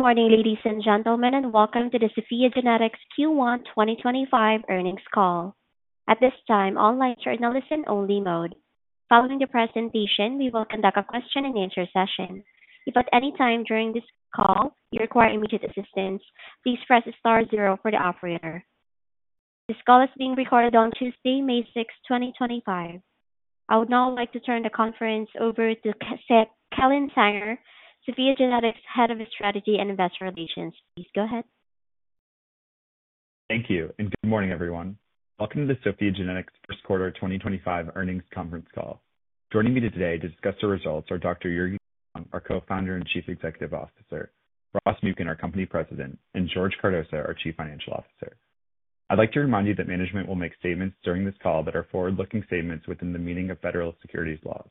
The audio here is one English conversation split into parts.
Good morning, ladies and gentlemen, and welcome to the SOPHiA GENETICS Q1 2025 earnings call. At this time, all lines are in the listen-only mode. Following the presentation, we will conduct a question-and-answer session. If at any time during this call you require immediate assistance, please press star zero for the operator. This call is being recorded on Tuesday, May 6, 2025. I would now like to turn the conference over to Kellen Sanger, SOPHiA GENETICS Head of Strategy and Investor Relations. Please go ahead. Thank you, and good morning, everyone. Welcome to the SOPHiA GENETICS first quarter 2025 earnings conference call. Joining me today to discuss the results are Dr. Jurgi Camblong, our Co-Founder and Chief Executive Officer; Ross Muken, our company President; and George Cardoza, our Chief Financial Officer. I'd like to remind you that management will make statements during this call that are forward-looking statements within the meaning of federal securities laws.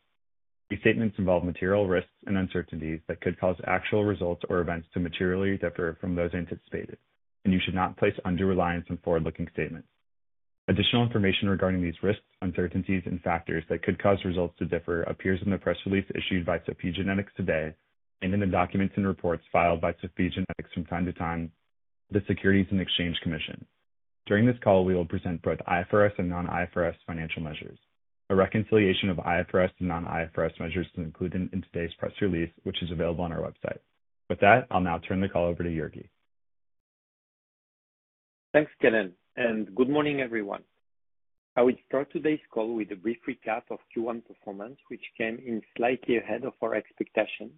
These statements involve material risks and uncertainties that could cause actual results or events to materially differ from those anticipated, and you should not place undue reliance on forward-looking statements. Additional information regarding these risks, uncertainties, and factors that could cause results to differ appears in the press release issued by SOPHiA GENETICS today and in the documents and reports filed by SOPHiA GENETICS from time to time to the Securities and Exchange Commission. During this call, we will present both IFRS and non-IFRS financial measures. A reconciliation of IFRS and non-IFRS measures is included in today's press release, which is available on our website. With that, I'll now turn the call over to Jurgi. Thanks, Kellen, and good morning, everyone. I will start today's call with a brief recap of Q1 performance, which came in slightly ahead of our expectations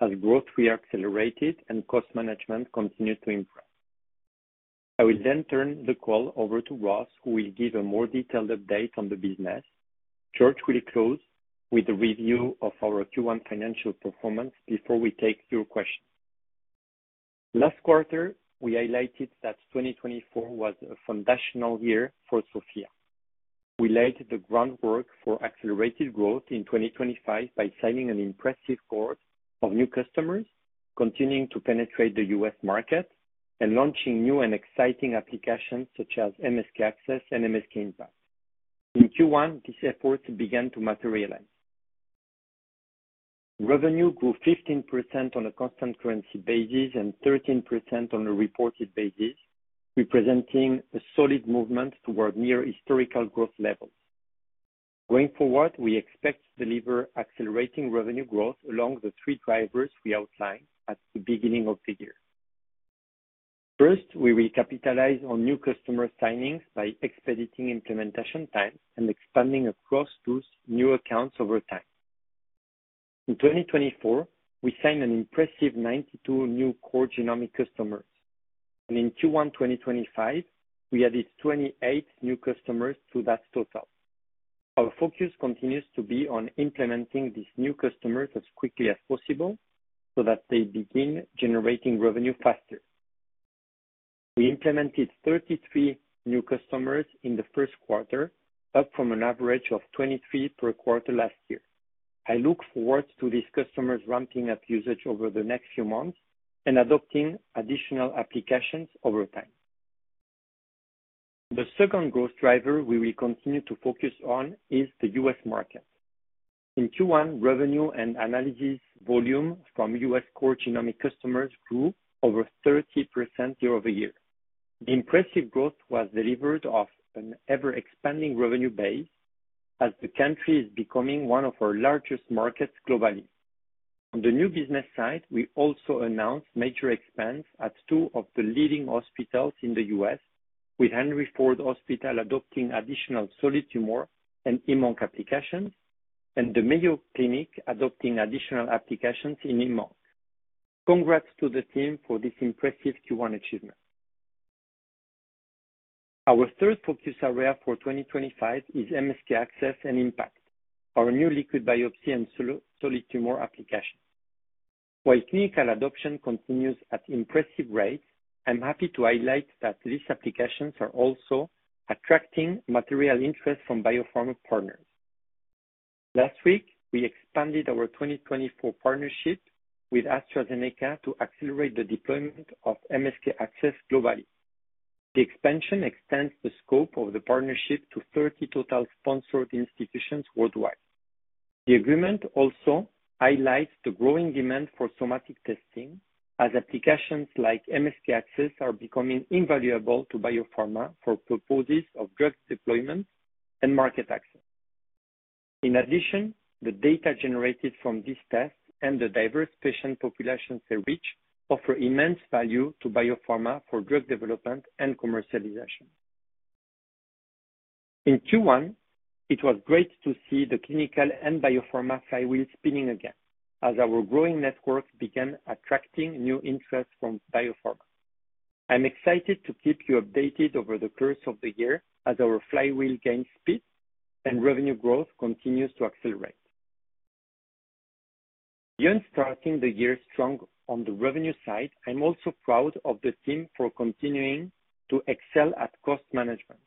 as growth reaccelerated and cost management continued to improve. I will then turn the call over to Ross, who will give a more detailed update on the business. George will close with a review of our Q1 financial performance before we take your questions. Last quarter, we highlighted that 2024 was a foundational year for SOPHiA. We laid the groundwork for accelerated growth in 2025 by signing an impressive cohort of new customers, continuing to penetrate the U.S. market, and launching new and exciting applications such as MSK-ACCESS and MSK-IMPACT. In Q1, these efforts began to materialize. Revenue grew 15% on a constant currency basis and 13% on a reported basis, representing a solid movement toward near-historical growth levels. Going forward, we expect to deliver accelerating revenue growth along the three drivers we outlined at the beginning of the year. First, we recapitalized on new customer signings by expediting implementation time and expanding across those new accounts over time. In 2024, we signed an impressive 92 new core genomic customers, and in Q1 2025, we added 28 new customers to that total. Our focus continues to be on implementing these new customers as quickly as possible so that they begin generating revenue faster. We implemented 33 new customers in the first quarter, up from an average of 23 per quarter last year. I look forward to these customers ramping up usage over the next few months and adopting additional applications over time. The second growth driver we will continue to focus on is the U.S. market. In Q1, revenue and analysis volume from U.S. core genomic customers grew over 30% year over year. The impressive growth was delivered off an ever-expanding revenue base as the country is becoming one of our largest markets globally. On the new business side, we also announced major expands at two of the leading hospitals in the U.S., with Henry Ford Hospital adopting additional Solid Tumor and HemOnc applications, and the Mayo Clinic adopting additional applications in HemOnc. Congrats to the team for this impressive Q1 achievement. Our third focus area for 2025 is MSK-ACCESS and IMPACT, our new liquid biopsy and Solid Tumor applications. While clinical adoption continues at impressive rates, I'm happy to highlight that these applications are also attracting material interest from biopharma partners. Last week, we expanded our 2024 partnership with AstraZeneca to accelerate the deployment of MSK-ACCESS globally. The expansion extends the scope of the partnership to 30 total sponsored institutions worldwide. The agreement also highlights the growing demand for somatic testing, as applications like MSK-ACCESS are becoming invaluable to biopharma for purposes of drug deployment and market access. In addition, the data generated from these tests and the diverse patient populations they reach offer immense value to biopharma for drug development and commercialization. In Q1, it was great to see the clinical and biopharma flywheel spinning again, as our growing network began attracting new interest from biopharma. I'm excited to keep you updated over the course of the year as our flywheel gains speed and revenue growth continues to accelerate. Beyond starting the year strong on the revenue side, I'm also proud of the team for continuing to excel at cost management.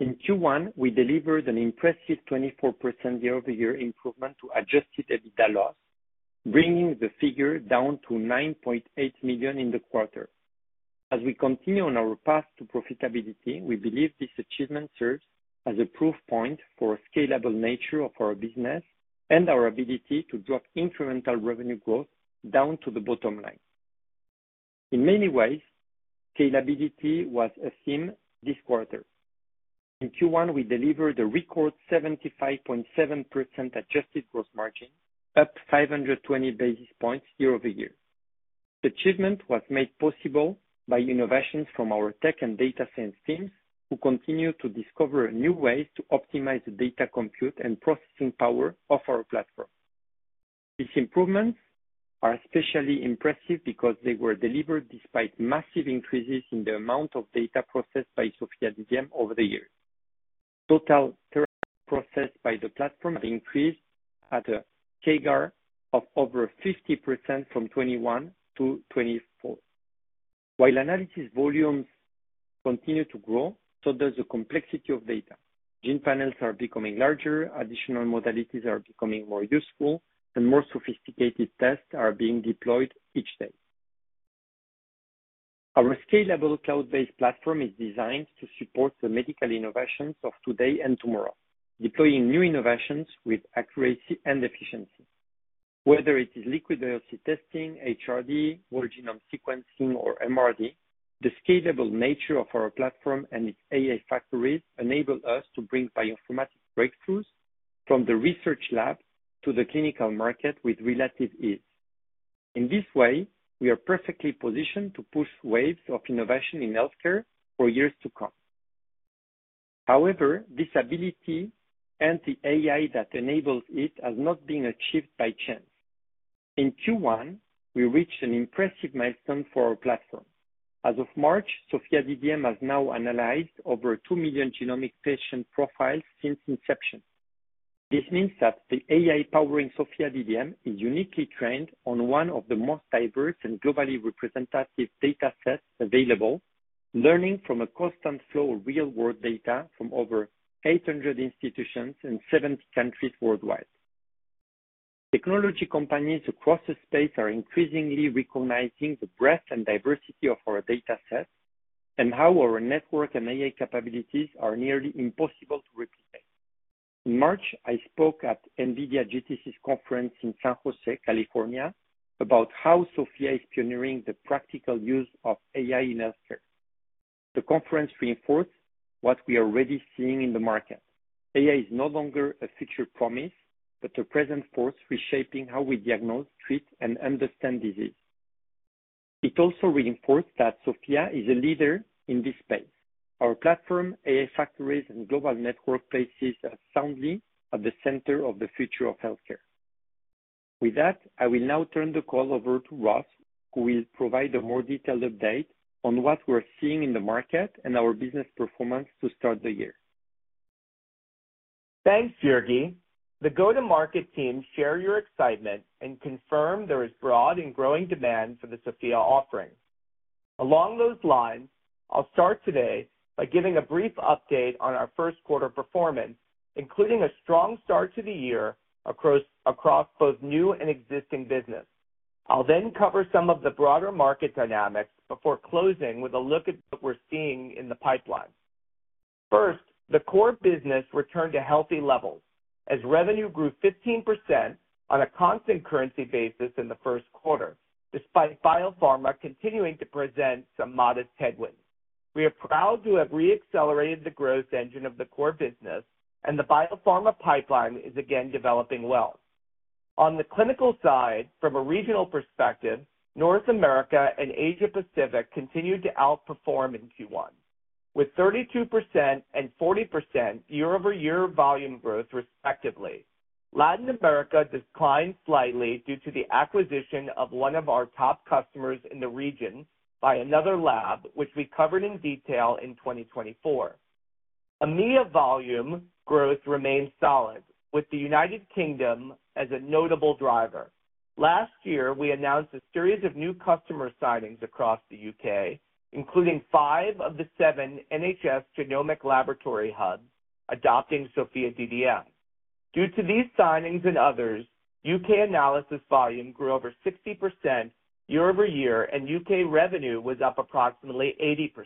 In Q1, we delivered an impressive 24% year-over-year improvement to adjusted EBITDA loss, bringing the figure down to $9.8 million in the quarter. As we continue on our path to profitability, we believe this achievement serves as a proof point for the scalable nature of our business and our ability to drop incremental revenue growth down to the bottom line. In many ways, scalability was a theme this quarter. In Q1, we delivered a record 75.7% adjusted gross margin, up 520 basis points year-over-year. This achievement was made possible by innovations from our tech and data science teams, who continue to discover new ways to optimize the data compute and processing power of our platform. These improvements are especially impressive because they were delivered despite massive increases in the amount of data processed by SOPHiA DDM over the years. Total processed by the platform increased at a CAGR of over 50% from 2021 to 2024. While analysis volumes continue to grow, so does the complexity of data. Gene panels are becoming larger, additional modalities are becoming more useful, and more sophisticated tests are being deployed each day. Our scalable cloud-based platform is designed to support the medical innovations of today and tomorrow, deploying new innovations with accuracy and efficiency. Whether it is liquid biopsy testing, HRD, whole genome sequencing, or MRD, the scalable nature of our platform and its AI factories enables us to bring biopharma breakthroughs from the research lab to the clinical market with relative ease. In this way, we are perfectly positioned to push waves of innovation in healthcare for years to come. However, this ability and the AI that enables it has not been achieved by chance. In Q1, we reached an impressive milestone for our platform. As of March, SOPHiA DDM has now analyzed over two million genomic patient profiles since inception. This means that the AI powering SOPHiA DDM is uniquely trained on one of the most diverse and globally representative data sets available, learning from a constant flow of real-world data from over 800 institutions in 70 countries worldwide. Technology companies across the space are increasingly recognizing the breadth and diversity of our data sets and how our network and AI capabilities are nearly impossible to replicate. In March, I spoke at NVIDIA GTC's conference in San Jose, California, about how SOPHiA is pioneering the practical use of AI in healthcare. The conference reinforced what we are already seeing in the market. AI is no longer a future promise but a present force reshaping how we diagnose, treat, and understand disease. It also reinforced that SOPHiA is a leader in this space. Our platform, AI factories, and global network places us soundly at the center of the future of healthcare. With that, I will now turn the call over to Ross, who will provide a more detailed update on what we're seeing in the market and our business performance to start the year. Thanks, Jurgi. The go-to-market team shared your excitement and confirmed there is broad and growing demand for the SOPHiA offering. Along those lines, I'll start today by giving a brief update on our first quarter performance, including a strong start to the year across both new and existing business. I'll then cover some of the broader market dynamics before closing with a look at what we're seeing in the pipeline. First, the core business returned to healthy levels as revenue grew 15% on a constant currency basis in the first quarter, despite biopharma continuing to present some modest headwinds. We are proud to have re-accelerated the growth engine of the core business, and the biopharma pipeline is again developing well. On the clinical side, from a regional perspective, North America and Asia-Pacific continued to outperform in Q1, with 32% and 40% year-over-year volume growth, respectively. Latin America declined slightly due to the acquisition of one of our top customers in the region by another lab, which we covered in detail in 2024. EMEA volume growth remained solid, with the United Kingdom as a notable driver. Last year, we announced a series of new customer signings across the U.K., including five of the seven NHS genomic laboratory hubs adopting SOPHiA DDM. Due to these signings and others, U.K. analysis volume grew over 60% year-over-year, and U.K. revenue was up approximately 80%.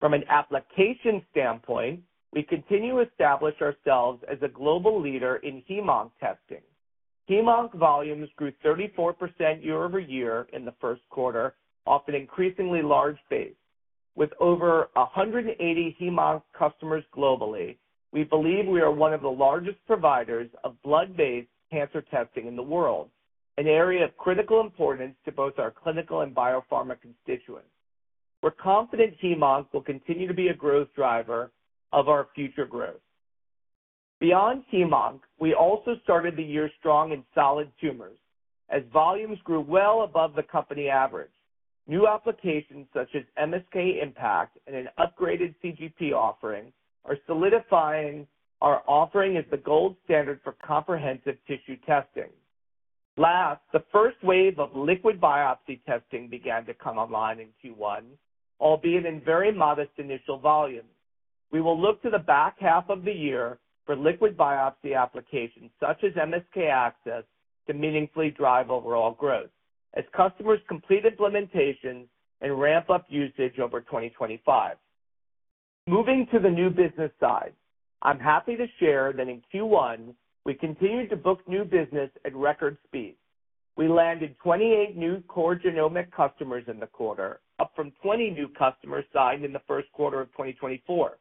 From an application standpoint, we continue to establish ourselves as a global leader in HemOnc testing. HemOnc volumes grew 34% year-over-year in the first quarter, off an increasingly large base. With over 180 HemOnc customers globally, we believe we are one of the largest providers of blood-based cancer testing in the world, an area of critical importance to both our clinical and biopharma constituents. We're confident HemOnc will continue to be a growth driver of our future growth. Beyond HemOnc, we also started the year strong in Solid Tumors. As volumes grew well above the company average, new applications such as MSK-IMPACT and an upgraded CGP offering are solidifying our offering as the gold standard for comprehensive tissue testing. Last, the first wave of liquid biopsy testing began to come online in Q1, albeit in very modest initial volumes. We will look to the back half of the year for liquid biopsy applications such as MSK-ACCESS to meaningfully drive overall growth, as customers complete implementations and ramp up usage over 2025. Moving to the new business side, I'm happy to share that in Q1, we continued to book new business at record speed. We landed 28 new core genomic customers in the quarter, up from 20 new customers signed in the first quarter of 2024.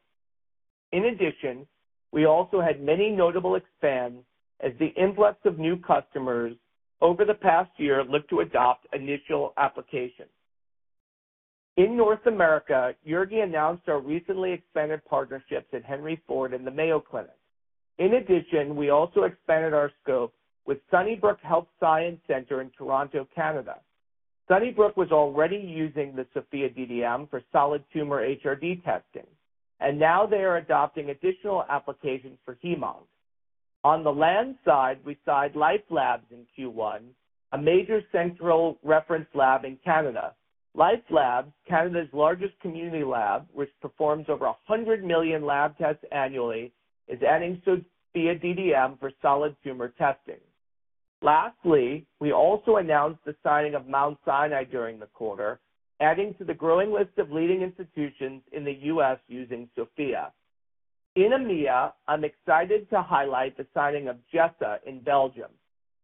In addition, we also had many notable expands as the influx of new customers over the past year looked to adopt initial applications. In North America, Jurgi announced our recently expanded partnerships at Henry Ford and the Mayo Clinic. In addition, we also expanded our scope with Sunnybrook Health Sciences Centre in Toronto, Canada. Sunnybrook was already using the SOPHiA DDM for Solid Tumor HRD testing, and now they are adopting additional applications for HemOnc. On the land side, we signed LifeLabs in Q1, a major central reference lab in Canada. LifeLabs, Canada's largest community lab, which performs over 100 million lab tests annually, is adding SOPHiA DDM for Solid Tumor testing. Lastly, we also announced the signing of Mount Sinai during the quarter, adding to the growing list of leading institutions in the U.S. using SOPHiA. In EMEA, I'm excited to highlight the signing of Jessa in Belgium.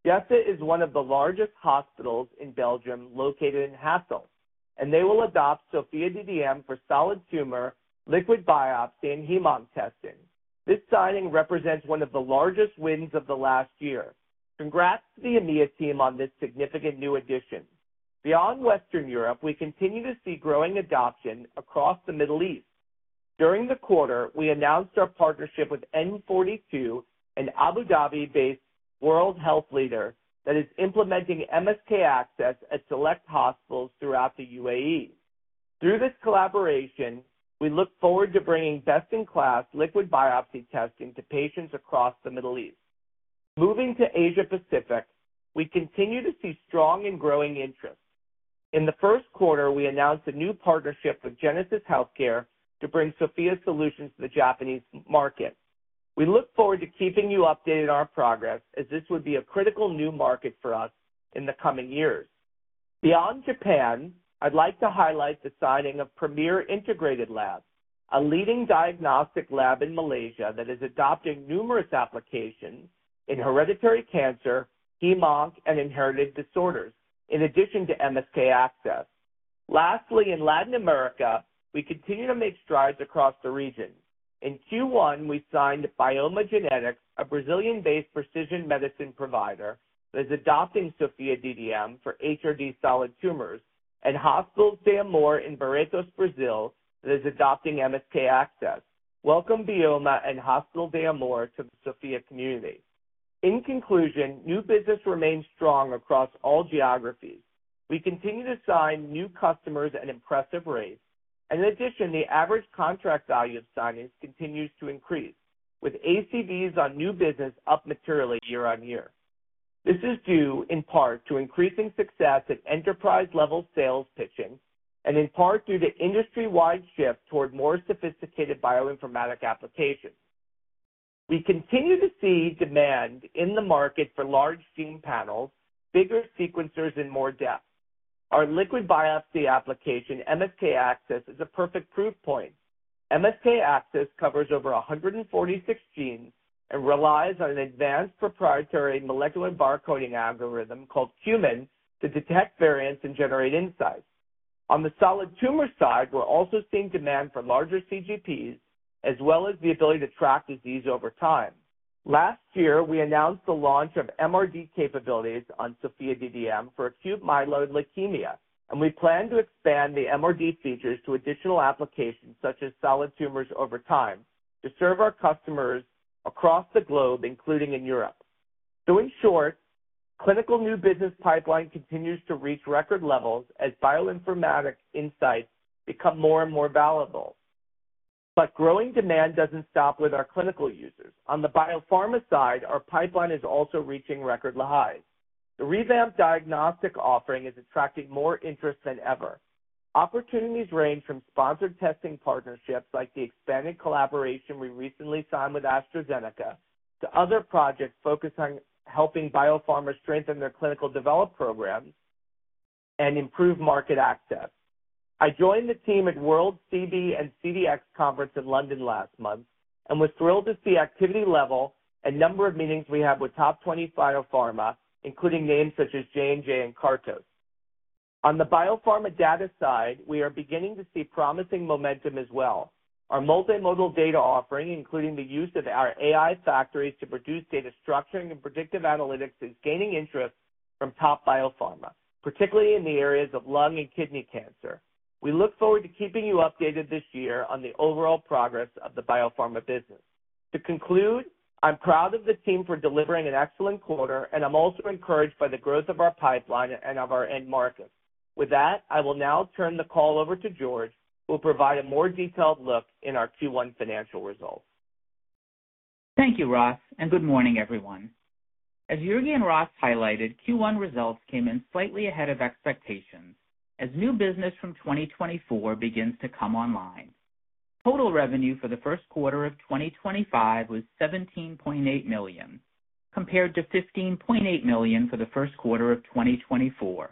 Jessa is one of the largest hospitals in Belgium located in Hasselt, and they will adopt SOPHiA DDM for Solid Tumor, liquid biopsy, and HemOnc testing. This signing represents one of the largest wins of the last year. Congrats to the EMEA team on this significant new addition. Beyond Western Europe, we continue to see growing adoption across the Middle East. During the quarter, we announced our partnership with N42, an Abu Dhabi-based world health leader that is implementing MSK-ACCESS at select hospitals throughout the U.A.E. Through this collaboration, we look forward to bringing best-in-class liquid biopsy testing to patients across the Middle East. Moving to Asia-Pacific, we continue to see strong and growing interest. In the first quarter, we announced a new partnership with Genesis Healthcare to bring SOPHiA solutions to the Japanese market. We look forward to keeping you updated on our progress, as this would be a critical new market for us in the coming years. Beyond Japan, I'd like to highlight the signing of Premier Integrated Labs, a leading diagnostic lab in Malaysia that is adopting numerous applications in hereditary cancer, HemOnc, and inherited disorders, in addition to MSK-ACCESS. Lastly, in Latin America, we continue to make strides across the region. In Q1, we signed Bioma Genetics, a Brazilian-based precision medicine provider that is adopting SOPHiA DDM for HRD Solid Tumors, and Hospital de Amor in Barretos, Brazil, that is adopting MSK-ACCESS. Welcome, Bioma and Hospital de Amor, to the SOPHiA community. In conclusion, new business remains strong across all geographies. We continue to sign new customers at impressive rates. In addition, the average contract value of signings continues to increase, with ACVs on new business up materially year-on-year. This is due, in part, to increasing success at enterprise-level sales pitching and, in part, due to industry-wide shift toward more sophisticated bioinformatic applications. We continue to see demand in the market for large gene panels, bigger sequencers, and more depth. Our liquid biopsy application, MSK-ACCESS, is a perfect proof point. MSK-ACCESS covers over 146 genes and relies on an advanced proprietary molecular barcoding algorithm called QMEN to detect variants and generate insights. On the Solid Tumor side, we're also seeing demand for larger CGPs, as well as the ability to track disease over time. Last year, we announced the launch of MRD capabilities on SOPHiA DDM for acute myeloid leukemia, and we plan to expand the MRD features to additional applications such as Solid Tumors over time to serve our customers across the globe, including in Europe. In short, clinical new business pipeline continues to reach record levels as bioinformatic insights become more and more valuable. Growing demand does not stop with our clinical users. On the biopharma side, our pipeline is also reaching record highs. The revamped diagnostic offering is attracting more interest than ever. Opportunities range from sponsored testing partnerships like the expanded collaboration we recently signed with AstraZeneca to other projects focused on helping biopharma strengthen their clinical development programs and improve market access. I joined the team at World CB and CDX Conference in London last month and was thrilled to see activity level and number of meetings we had with top 20 biopharma, including names such as J&J and Kartos. On the biopharma data side, we are beginning to see promising momentum as well. Our multimodal data offering, including the use of our AI factories to produce data structuring and predictive analytics, is gaining interest from top biopharma, particularly in the areas of lung and kidney cancer. We look forward to keeping you updated this year on the overall progress of the biopharma business. To conclude, I'm proud of the team for delivering an excellent quarter, and I'm also encouraged by the growth of our pipeline and of our end market. With that, I will now turn the call over to George, who will provide a more detailed look in our Q1 financial results. Thank you, Ross, and good morning, everyone. As Jurgi and Ross highlighted, Q1 results came in slightly ahead of expectations as new business from 2024 begins to come online. Total revenue for the first quarter of 2025 was $17.8 million, compared to $15.8 million for the first quarter of 2024,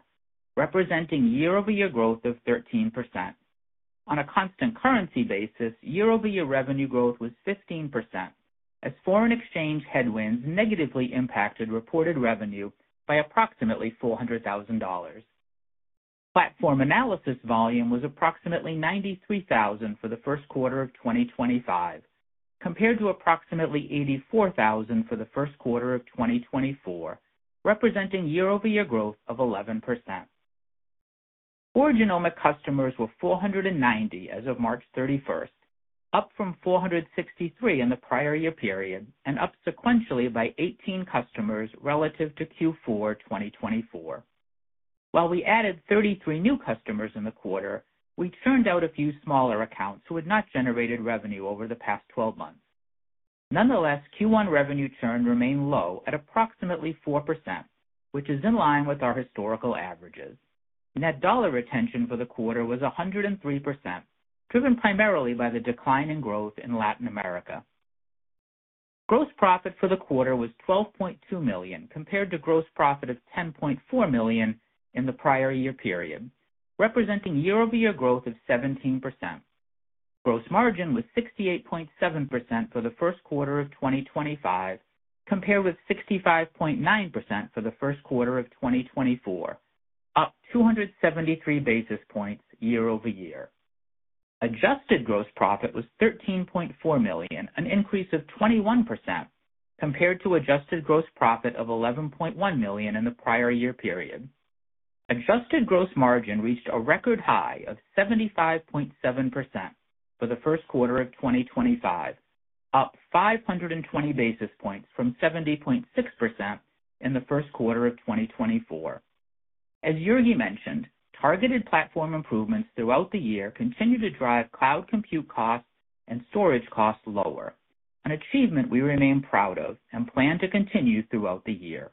representing year-over-year growth of 13%. On a constant currency basis, year-over-year revenue growth was 15%, as foreign exchange headwinds negatively impacted reported revenue by approximately $400,000. Platform analysis volume was approximately 93,000 for the first quarter of 2025, compared to approximately 84,000 for the first quarter of 2024, representing year-over-year growth of 11%. Core genomic customers were 490 as of March 31, up from 463 in the prior year period and up sequentially by 18 customers relative to Q4 2024. While we added 33 new customers in the quarter, we churned out a few smaller accounts who had not generated revenue over the past 12 months. Nonetheless, Q1 revenue churn remained low at approximately 4%, which is in line with our historical averages. Net dollar retention for the quarter was 103%, driven primarily by the decline in growth in Latin America. Gross profit for the quarter was $12.2 million, compared to gross profit of $10.4 million in the prior year period, representing year-over-year growth of 17%. Gross margin was 68.7% for the first quarter of 2025, compared with 65.9% for the first quarter of 2024, up 273 basis points year-over-year. Adjusted gross profit was $13.4 million, an increase of 21%, compared to adjusted gross profit of $11.1 million in the prior year period. Adjusted gross margin reached a record high of 75.7% for the first quarter of 2025, up 520 basis points from 70.6% in the first quarter of 2024. As Jurgi mentioned, targeted platform improvements throughout the year continue to drive cloud compute costs and storage costs lower, an achievement we remain proud of and plan to continue throughout the year.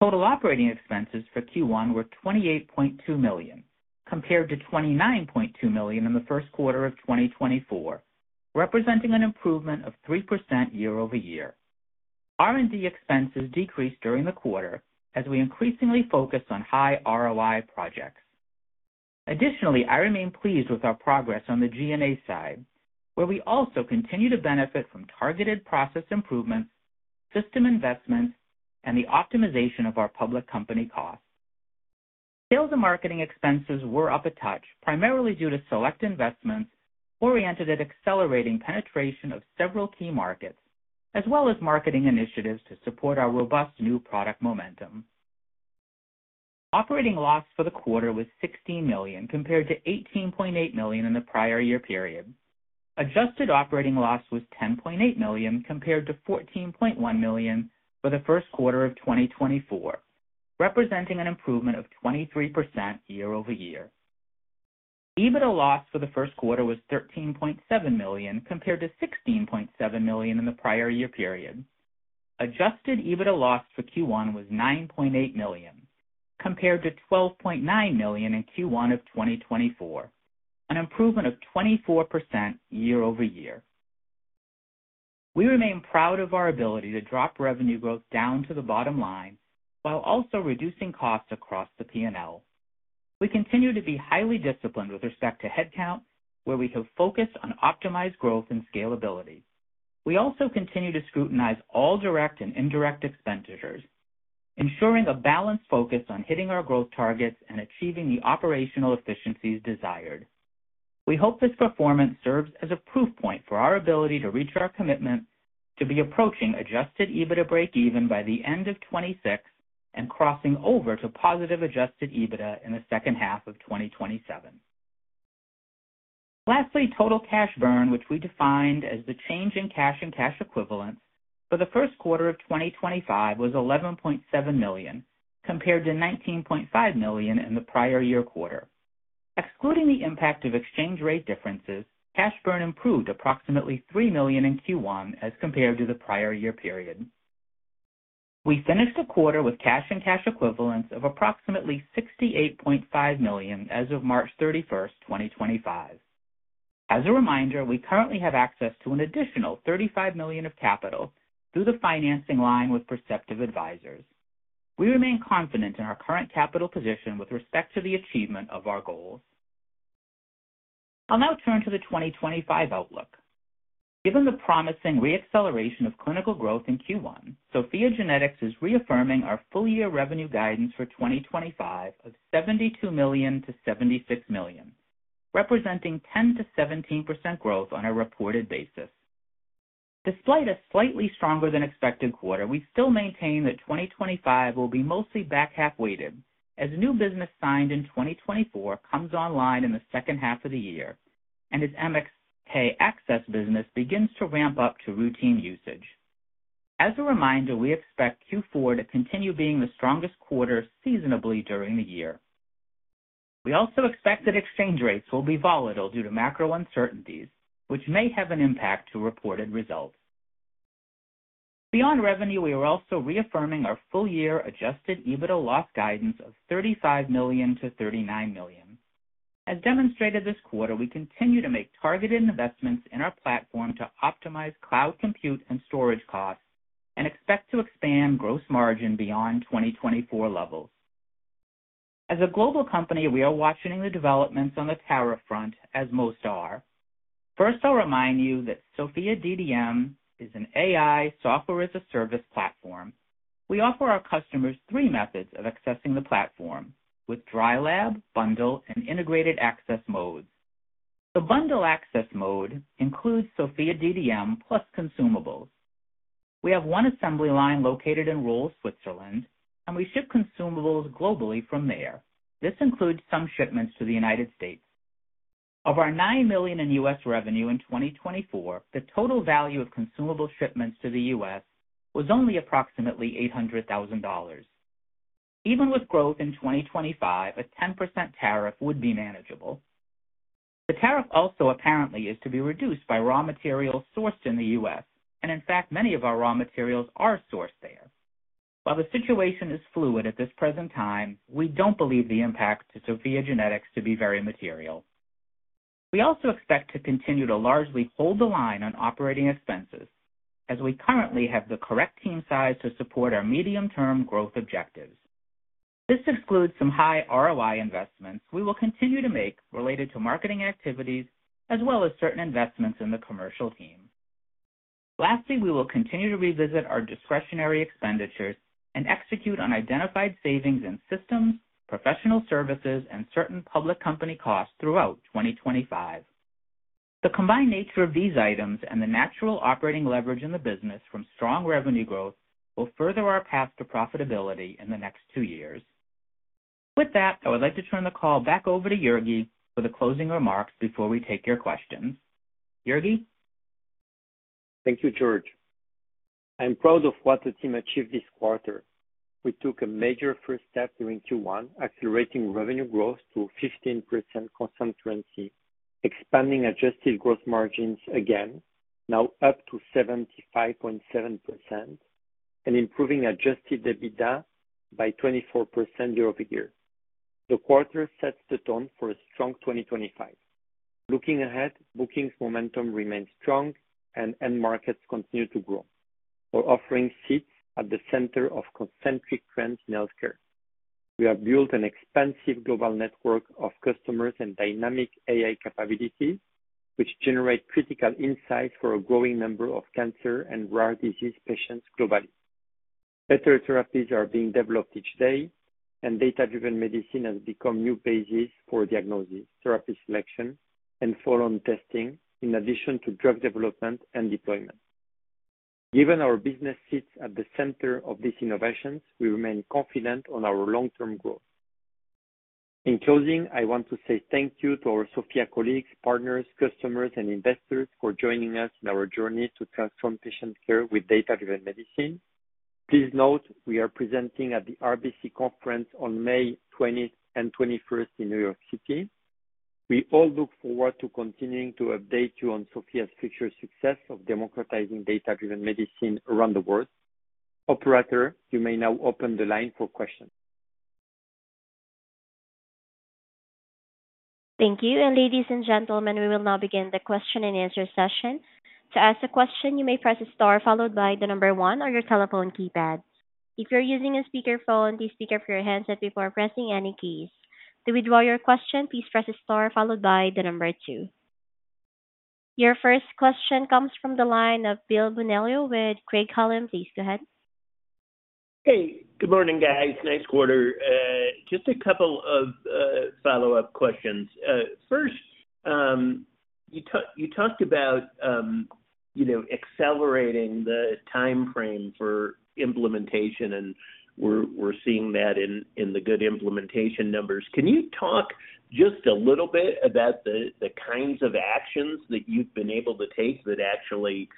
Total operating expenses for Q1 were $28.2 million, compared to $29.2 million in the first quarter of 2024, representing an improvement of 3% year-over-year. R&D expenses decreased during the quarter as we increasingly focused on high ROI projects. Additionally, I remain pleased with our progress on the G&A side, where we also continue to benefit from targeted process improvements, system investments, and the optimization of our public company costs. Sales and marketing expenses were up a touch, primarily due to select investments oriented at accelerating penetration of several key markets, as well as marketing initiatives to support our robust new product momentum. Operating loss for the quarter was $16 million, compared to $18.8 million in the prior year period. Adjusted operating loss was $10.8 million, compared to $14.1 million for the first quarter of 2024, representing an improvement of 23% year-over-year. EBITDA loss for the first quarter was $13.7 million, compared to $16.7 million in the prior year period. Adjusted EBITDA loss for Q1 was $9.8 million, compared to $12.9 million in Q1 of 2024, an improvement of 24% year-over-year. We remain proud of our ability to drop revenue growth down to the bottom line while also reducing costs across the P&L. We continue to be highly disciplined with respect to headcount, where we have focused on optimized growth and scalability. We also continue to scrutinize all direct and indirect expenditures, ensuring a balanced focus on hitting our growth targets and achieving the operational efficiencies desired. We hope this performance serves as a proof point for our ability to reach our commitment to be approaching adjusted EBITDA break-even by the end of 2026 and crossing over to positive adjusted EBITDA in the second half of 2027. Lastly, total cash burn, which we defined as the change in cash and cash equivalents for the first quarter of 2025, was $11.7 million, compared to $19.5 million in the prior year quarter. Excluding the impact of exchange rate differences, cash burn improved approximately $3 million in Q1 as compared to the prior year period. We finished the quarter with cash and cash equivalents of approximately $68.5 million as of March 31, 2025. As a reminder, we currently have access to an additional $35 million of capital through the financing line with Perceptive Advisors. We remain confident in our current capital position with respect to the achievement of our goals. I'll now turn to the 2025 outlook. Given the promising re-acceleration of clinical growth in Q1, SOPHiA GENETICS is reaffirming our full-year revenue guidance for 2025 of $72 million-$76 million, representing 10%-17% growth on a reported basis. Despite a slightly stronger-than-expected quarter, we still maintain that 2025 will be mostly back half-weighted, as new business signed in 2024 comes online in the second half of the year and as MSK-ACCESS business begins to ramp up to routine usage. As a reminder, we expect Q4 to continue being the strongest quarter seasonably during the year. We also expect that exchange rates will be volatile due to macro uncertainties, which may have an impact on reported results. Beyond revenue, we are also reaffirming our full-year adjusted EBITDA loss guidance of $35 million-$39 million. As demonstrated this quarter, we continue to make targeted investments in our platform to optimize cloud compute and storage costs and expect to expand gross margin beyond 2024 levels. As a global company, we are watching the developments on the tariff front, as most are. First, I'll remind you that SOPHiA DDM is an AI software-as-a-service platform. We offer our customers three methods of accessing the platform, with Dry Lab, Bundle, and Integrated Access modes. The Bundle Access mode includes SOPHiA DDM plus consumables. We have one assembly line located in Rolle, Switzerland, and we ship consumables globally from there. This includes some shipments to the U.S. Of our $9 million in U.S. revenue in 2024, the total value of consumable shipments to the U.S. was only approximately $800,000. Even with growth in 2025, a 10% tariff would be manageable. The tariff also apparently is to be reduced by raw materials sourced in the U.S., and in fact, many of our raw materials are sourced there. While the situation is fluid at this present time, we do not believe the impact to SOPHiA GENETICS to be very material. We also expect to continue to largely hold the line on operating expenses, as we currently have the correct team size to support our medium-term growth objectives. While this excludes some high ROI investments, we will continue to make related to marketing activities, as well as certain investments in the commercial team. Lastly, we will continue to revisit our discretionary expenditures and execute on identified savings in systems, professional services, and certain public company costs throughout 2025. The combined nature of these items and the natural operating leverage in the business from strong revenue growth will further our path to profitability in the next two years. With that, I would like to turn the call back over to Jurgi for the closing remarks before we take your questions. Jurgi? Thank you, George. I'm proud of what the team achieved this quarter. We took a major first step during Q1, accelerating revenue growth to 15% constant currency, expanding adjusted gross margins again, now up to 75.7%, and improving adjusted EBITDA by 24% year-over-year. The quarter sets the tone for a strong 2025. Looking ahead, bookings momentum remains strong, and end markets continue to grow. We're offering seats at the center of concentric trends in healthcare. We have built an expansive global network of customers and dynamic AI capabilities, which generate critical insights for a growing number of cancer and rare disease patients globally. Better therapies are being developed each day, and data-driven medicine has become new basis for diagnosis, therapy selection, and follow-on testing, in addition to drug development and deployment. Given our business seats at the center of these innovations, we remain confident on our long-term growth. In closing, I want to say thank you to our SOPHiA colleagues, partners, customers, and investors for joining us in our journey to transform patient care with data-driven medicine. Please note we are presenting at the RBC Conference on May 20 and 21 in New York City. We all look forward to continuing to update you on SOPHiA's future success of democratizing data-driven medicine around the world. Operator, you may now open the line for questions. Thank you. Ladies and gentlemen, we will now begin the question-and-answer session. To ask a question, you may press star followed by the number one on your telephone keypad. If you are using a speakerphone, please speak up your hands before pressing any keys. To withdraw your question, please press star followed by the number two. Your first question comes from the line of Bill Bonello with Craig-Hallum. Please go ahead. Hey, good morning, guys. Nice quarter. Just a couple of follow-up questions. First, you talked about accelerating the timeframe for implementation, and we're seeing that in the good implementation numbers. Can you talk just a little bit about the kinds of actions that you've been able to take that actually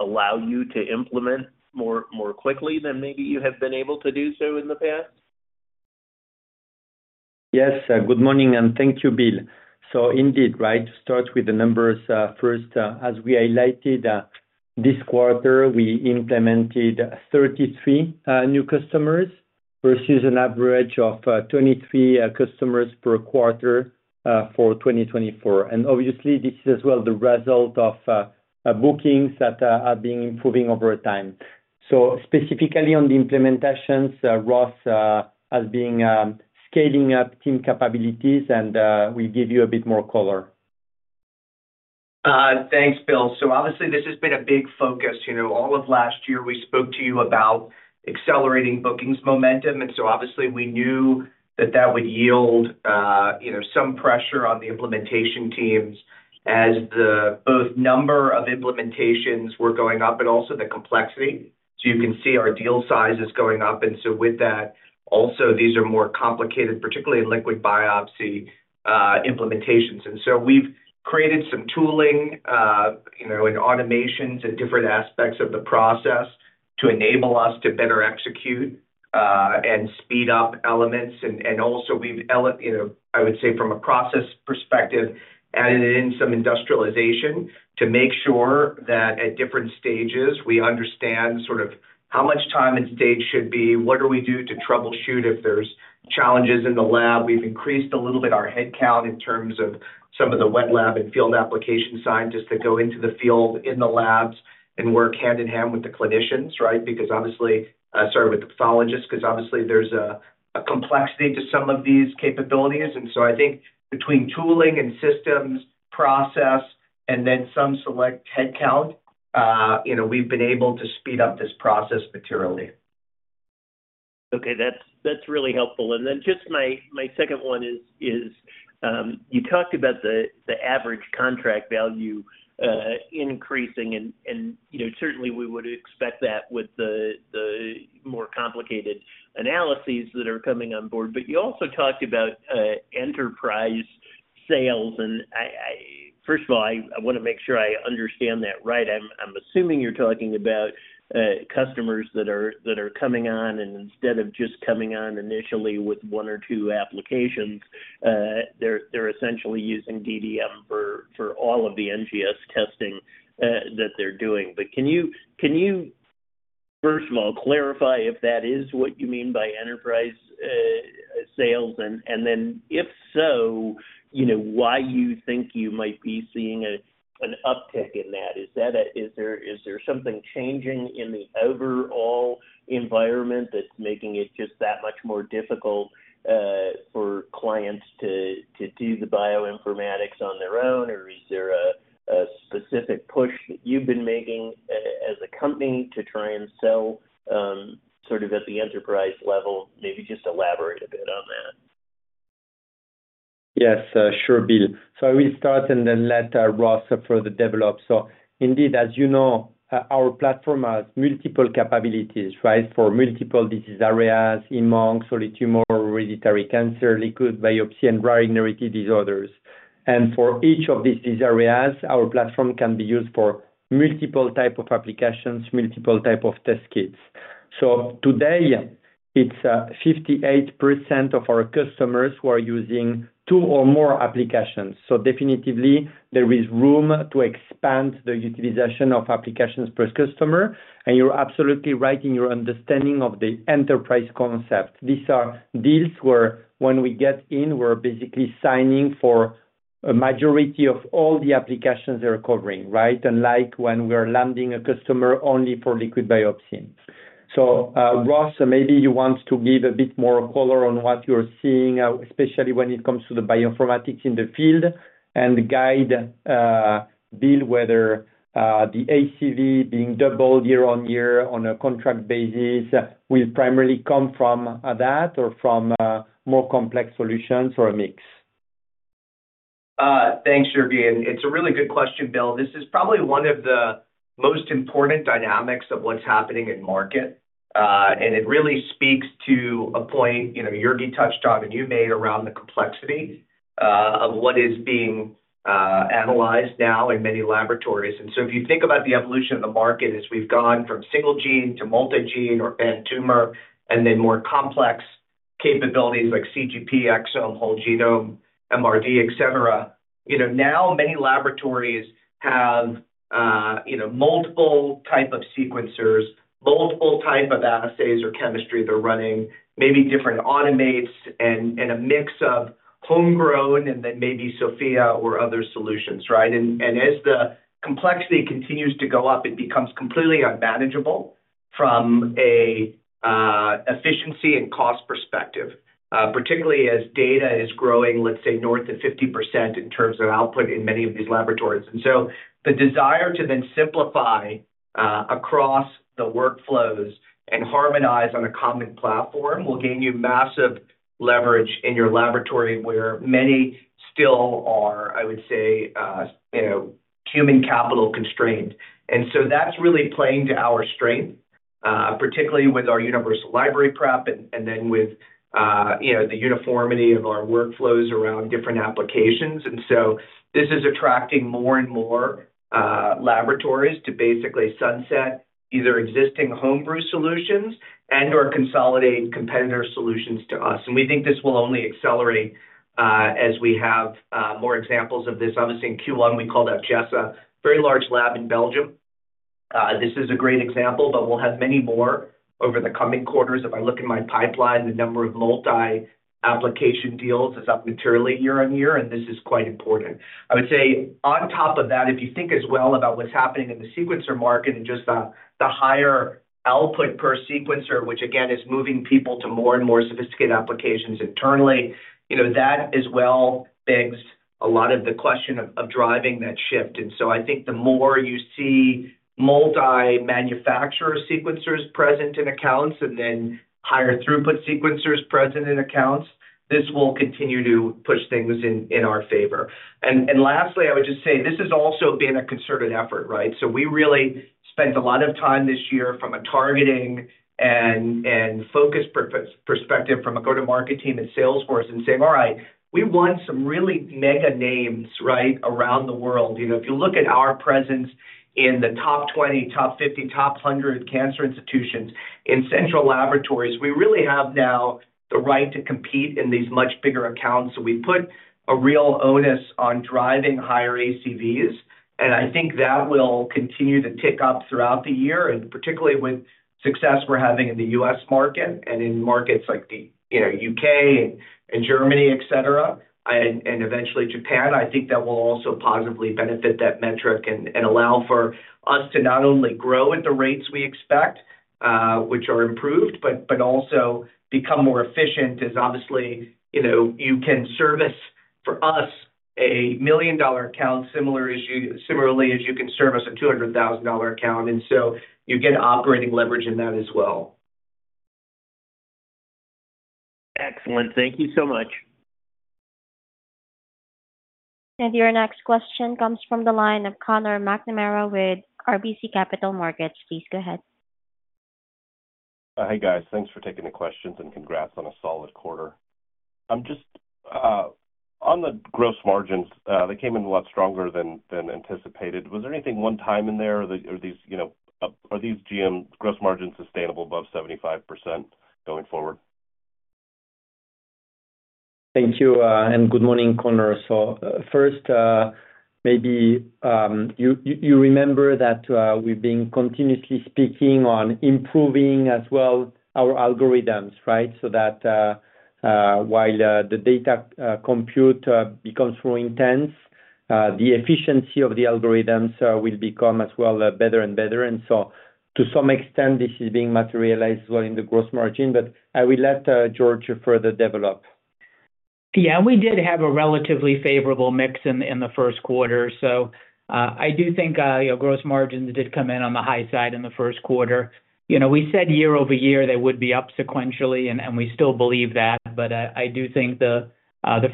allow you to implement more quickly than maybe you have been able to do so in the past? Yes. Good morning, and thank you, Bill. Indeed, to start with the numbers first, as we highlighted this quarter, we implemented 33 new customers versus an average of 23 customers per quarter for 2024. Obviously, this is as well the result of bookings that are being improving over time. Specifically on the implementations, Ross has been scaling up team capabilities, and we'll give you a bit more color. Thanks, Bill. Obviously, this has been a big focus. All of last year, we spoke to you about accelerating bookings momentum. Obviously, we knew that that would yield some pressure on the implementation teams as both the number of implementations were going up and also the complexity. You can see our deal size is going up. With that, also, these are more complicated, particularly in liquid biopsy implementations. We have created some tooling and automations in different aspects of the process to enable us to better execute and speed up elements. I would say, from a process perspective, we have added in some industrialization to make sure that at different stages, we understand sort of how much time in stage should be, what do we do to troubleshoot if there are challenges in the lab. We've increased a little bit our headcount in terms of some of the wet lab and field application scientists that go into the field in the labs and work hand-in-hand with the clinicians, right, because obviously, sorry, with the pathologists, because obviously, there's a complexity to some of these capabilities. I think between tooling and systems, process, and then some select headcount, we've been able to speed up this process materially. Okay. That's really helpful. And then just my second one is you talked about the average contract value increasing, and certainly, we would expect that with the more complicated analyses that are coming on board. But you also talked about enterprise sales. First of all, I want to make sure I understand that right. I'm assuming you're talking about customers that are coming on, and instead of just coming on initially with one or two applications, they're essentially using DDM for all of the NGS testing that they're doing. Can you, first of all, clarify if that is what you mean by enterprise sales? If so, why do you think you might be seeing an uptick in that? Is there something changing in the overall environment that's making it just that much more difficult for clients to do the bioinformatics on their own? Is there a specific push that you've been making as a company to try and sell sort of at the enterprise level? Maybe just elaborate a bit on that. Yes. Sure, Bill. I will start and then let Ross further develop. Indeed, as you know, our platform has multiple capabilities, right, for multiple disease areas: HemOnc, Solid Tumor, hereditary cancer, liquid biopsy, and rare inherited disorders. For each of these disease areas, our platform can be used for multiple types of applications, multiple types of test kits. Today, it is 58% of our customers who are using two or more applications. Definitely, there is room to expand the utilization of applications per customer. You are absolutely right in your understanding of the enterprise concept. These are deals where, when we get in, we are basically signing for a majority of all the applications they are covering, right, unlike when we are landing a customer only for liquid biopsy. Ross, maybe you want to give a bit more color on what you're seeing, especially when it comes to the bioinformatics in the field, and guide Bill whether the ACV being doubled year-on-year on a contract basis will primarily come from that or from more complex solutions or a mix. Thanks, Jurgi. It's a really good question, Bill. This is probably one of the most important dynamics of what's happening in market. It really speaks to a point Jurgi touched on, and you made around the complexity of what is being analyzed now in many laboratories. If you think about the evolution of the market as we've gone from single gene to multi-gene or pan tumor, and then more complex capabilities like CGP, exome, whole genome, MRD, etc., now many laboratories have multiple types of sequencers, multiple types of assays or chemistry they're running, maybe different automates, and a mix of homegrown and then maybe SOPHiA or other solutions, right? As the complexity continues to go up, it becomes completely unmanageable from an efficiency and cost perspective, particularly as data is growing, let's say, north of 50% in terms of output in many of these laboratories. The desire to then simplify across the workflows and harmonize on a common platform will gain you massive leverage in your laboratory where many still are, I would say, human capital constrained. That is really playing to our strength, particularly with our universal library prep and then with the uniformity of our workflows around different applications. This is attracting more and more laboratories to basically sunset either existing homebrew solutions and/or consolidate competitor solutions to us. We think this will only accelerate as we have more examples of this. Obviously, in Q1, we called out Jessa, a very large lab in Belgium. This is a great example, but we'll have many more over the coming quarters. If I look in my pipeline, the number of multi-application deals is up materially year-on-year, and this is quite important. I would say, on top of that, if you think as well about what's happening in the sequencer market and just the higher output per sequencer, which again is moving people to more and more sophisticated applications internally, that as well begs a lot of the question of driving that shift. I think the more you see multi-manufacturer sequencers present in accounts and then higher throughput sequencers present in accounts, this will continue to push things in our favor. Lastly, I would just say this has also been a concerted effort, right? We really spent a lot of time this year from a targeting and focus perspective from a go-to-market team at Salesforce and saying, "All right, we won some really mega names, right, around the world." If you look at our presence in the top 20, top 50, top 100 cancer institutions in central laboratories, we really have now the right to compete in these much bigger accounts. We have put a real onus on driving higher ACVs. I think that will continue to tick up throughout the year, and particularly with success we are having in the U.S. market and in markets like the U.K. and Germany, etc., and eventually Japan. I think that will also positively benefit that metric and allow for us to not only grow at the rates we expect, which are improved, but also become more efficient as obviously you can service for us a million-dollar account similarly as you can service a $200,000 account. You get operating leverage in that as well. Excellent. Thank you so much. Your next question comes from the line of Conor McNamara with RBC Capital Markets. Please go ahead. Hey, guys. Thanks for taking the questions and congrats on a solid quarter. On the gross margins, they came in a lot stronger than anticipated. Was there anything one-time in there? Are these GM gross margins sustainable above 75% going forward? Thank you. And good morning, Conor. So first, maybe you remember that we've been continuously speaking on improving as well our algorithms, right? So that while the data compute becomes more intense, the efficiency of the algorithms will become as well better and better. And so to some extent, this is being materialized as well in the gross margin. But I will let George further develop. Yeah. We did have a relatively favorable mix in the first quarter. I do think gross margins did come in on the high side in the first quarter. We said year-over-year they would be up sequentially, and we still believe that. I do think the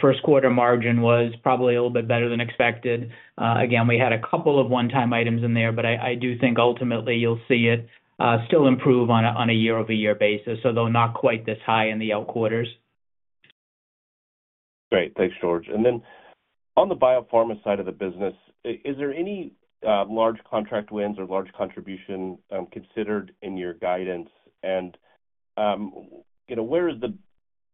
first quarter margin was probably a little bit better than expected. Again, we had a couple of one-time items in there, but I do think ultimately you'll see it still improve on a year-over-year basis, although not quite this high in the out quarters. Great. Thanks, George. On the biopharma side of the business, is there any large contract wins or large contribution considered in your guidance? Where is the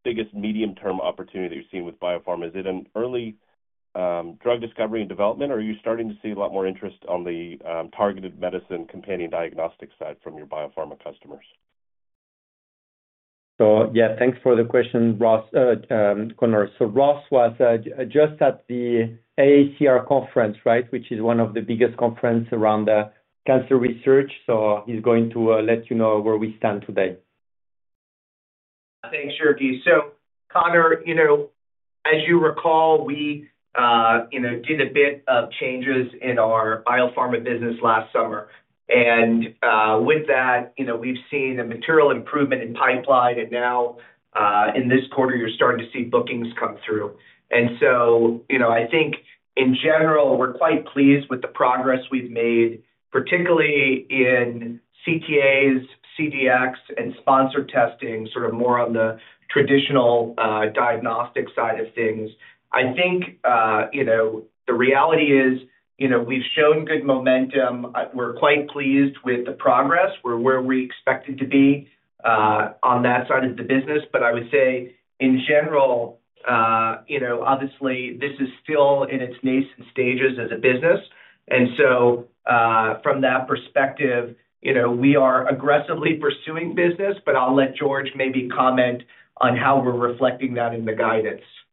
biggest medium-term opportunity that you're seeing with biopharma? Is it in early drug discovery and development, or are you starting to see a lot more interest on the targeted medicine companion diagnostic side from your biopharma customers? Yeah, thanks for the question, Ross, Conor. Ross was just at the AACR conference, right, which is one of the biggest conferences around cancer research. He's going to let you know where we stand today. Thanks, Jurgi. Connor, as you recall, we did a bit of changes in our biopharma business last summer. With that, we've seen a material improvement in pipeline. In this quarter, you're starting to see bookings come through. I think, in general, we're quite pleased with the progress we've made, particularly in CTAs, CDX, and sponsored testing, sort of more on the traditional diagnostic side of things. I think the reality is we've shown good momentum. We're quite pleased with the progress. We're where we expected to be on that side of the business. I would say, in general, obviously, this is still in its nascent stages as a business. From that perspective, we are aggressively pursuing business, but I'll let George maybe comment on how we're reflecting that in the guidance. Yeah.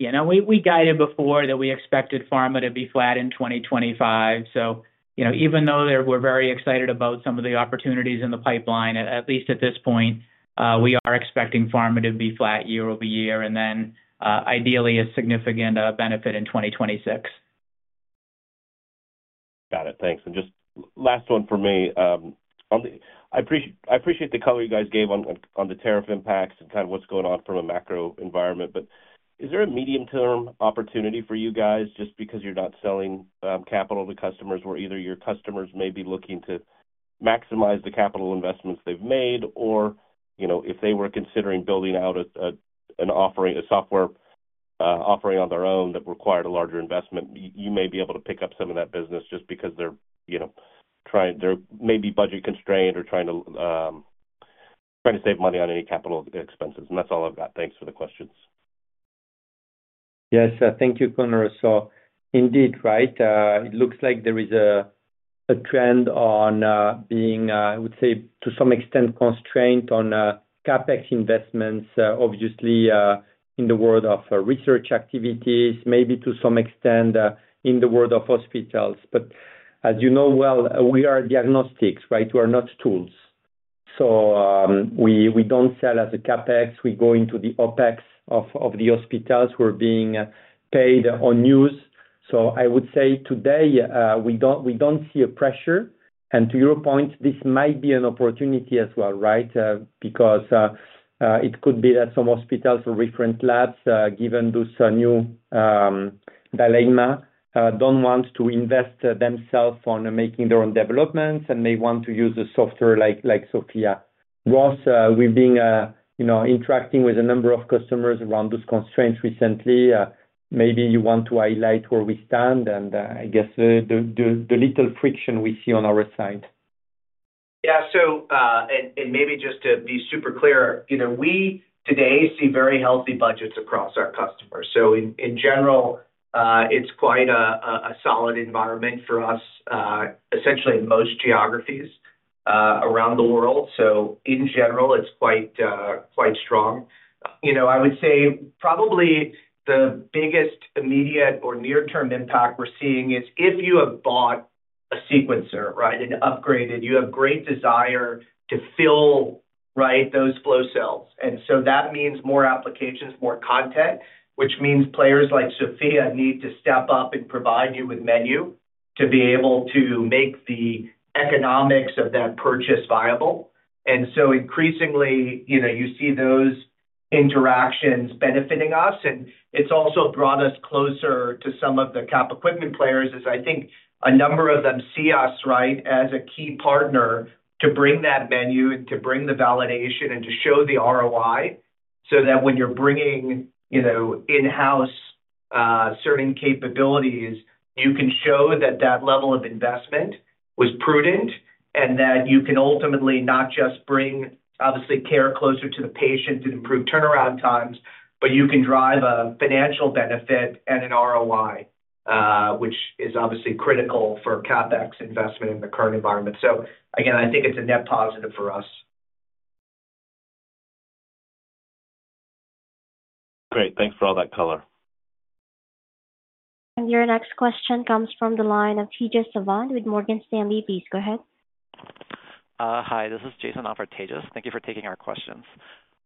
No, we guided before that we expected pharma to be flat in 2025. So even though we're very excited about some of the opportunities in the pipeline, at least at this point, we are expecting pharma to be flat year-over-year and then ideally a significant benefit in 2026. Got it. Thanks. Just last one for me. I appreciate the color you guys gave on the tariff impacts and kind of what's going on from a macro environment. Is there a medium-term opportunity for you guys just because you're not selling capital to customers where either your customers may be looking to maximize the capital investments they've made, or if they were considering building out a software offering on their own that required a larger investment, you may be able to pick up some of that business just because they're maybe budget constrained or trying to save money on any capital expenses. That's all I've got. Thanks for the questions. Yes. Thank you, Conor. So indeed, right, it looks like there is a trend on being, I would say, to some extent, constrained on CapEx investments, obviously, in the world of research activities, maybe to some extent in the world of hospitals. As you know well, we are diagnostics, right? We are not tools. We do not sell as a CapEx. We go into the OpEx of the hospitals. We are being paid on use. I would say today, we do not see a pressure. To your point, this might be an opportunity as well, right, because it could be that some hospitals or different labs, given this new dilemma, do not want to invest themselves on making their own developments and may want to use the software like SOPHiA. Ross, we have been interacting with a number of customers around those constraints recently. Maybe you want to highlight where we stand and, I guess, the little friction we see on our side. Yeah. Maybe just to be super clear, we today see very healthy budgets across our customers. In general, it is quite a solid environment for us, essentially in most geographies around the world. In general, it is quite strong. I would say probably the biggest immediate or near-term impact we are seeing is if you have bought a sequencer, right, and upgraded, you have great desire to fill those flow cells. That means more applications, more content, which means players like SOPHiA need to step up and provide you with menu to be able to make the economics of that purchase viable. Increasingly, you see those interactions benefiting us. It has also brought us closer to some of the CapEx equipment players as I think a number of them see us, right, as a key partner to bring that menu and to bring the validation and to show the ROI so that when you are bringing in-house certain capabilities, you can show that that level of investment was prudent and that you can ultimately not just bring, obviously, care closer to the patient and improve turnaround times, but you can drive a financial benefit and an ROI, which is obviously critical for CapEx investment in the current environment. Again, I think it is a net positive for us. Great. Thanks for all that color. Your next question comes from the line of Tejas Avan with Morgan Stanley. Please go ahead. Hi. This is Jason on for Tejas. Thank you for taking our questions.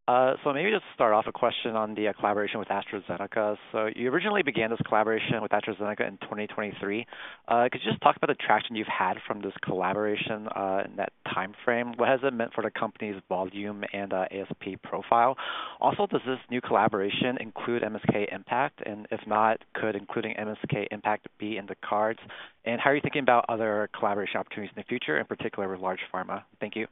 Maybe just to start off, a question on the collaboration with AstraZeneca. You originally began this collaboration with AstraZeneca in 2023. Could you just talk about the traction you've had from this collaboration in that timeframe? What has it meant for the company's volume and ASP profile? Also, does this new collaboration include MSK-IMPACT? If not, could including MSK-IMPACT be in the cards? How are you thinking about other collaboration opportunities in the future, in particular with large pharma? Thank you.